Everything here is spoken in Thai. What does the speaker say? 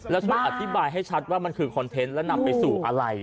แล้วช่วยอธิบายให้ชัดว่ามันคือคอนเทนต์แล้วนำไปสู่อะไร